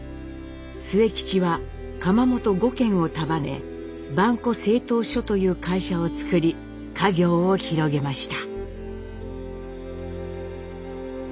末吉は窯元５軒を束ね「萬古製陶所」という会社を作り家業を広げました。